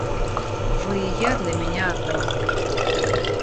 Вы и я для меня одно.